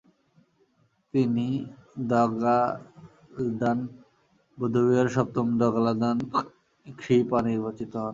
তিনি দ্গা'-ল্দান বৌদ্ধবিহারের সপ্তম দ্গা'-ল্দান-খ্রি-পা নির্বাচিত হন।